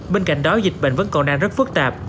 bên cạnh đó dịch bệnh vẫn còn đang rất phức tạp